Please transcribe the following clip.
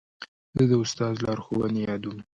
زه د استاد لارښوونې یادوم.